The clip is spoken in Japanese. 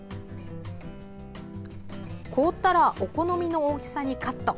凍ったらお好みの大きさにカット。